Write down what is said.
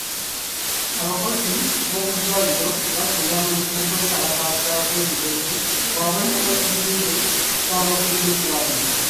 Abakozi b'okuddwaliro baatuula mu kwekalakaasa okw'emirembe wabweru w'ekizimbe ky'abakuulira eddwaliro.